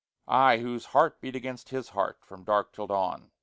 I, whose heart beat against his heart From dark till dawn!